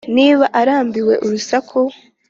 niba arambiwe urusaku